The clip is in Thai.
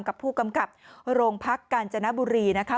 กับผู้กำกับโรงพักกาญจนบุรีนะคะ